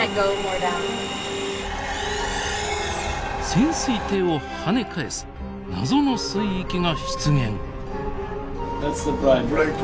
潜水艇をはね返す謎の水域が出現！